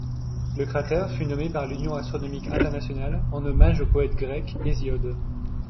Le cratère fut nommé par l'Union astronomique internationale en hommage au poète grec Hésiode.